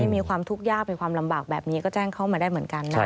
มีความทุกข์ยากมีความลำบากแบบนี้ก็แจ้งเข้ามาได้เหมือนกันนะ